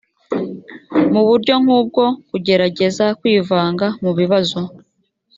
mu buryo nk ubwo kugerageza kwivanga mu bibazo